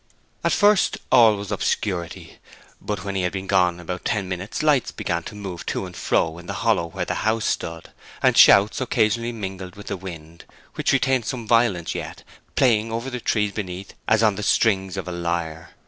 At first all was obscurity; but when he had been gone about ten minutes lights began to move to and fro in the hollow where the house stood, and shouts occasionally mingled with the wind, which retained some violence yet, playing over the trees beneath her as on the strings of a lyre.